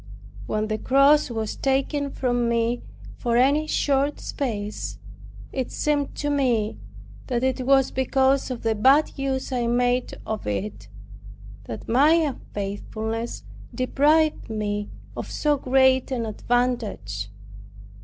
When the cross was taken from me for any short space, it seemed to me that it was because of the bad use I made of it; that my unfaithfulness deprived me of so great an advantage.